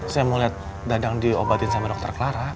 saya mau liat dadang diobatin sama dokter klara